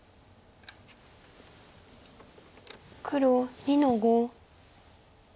黒２の五。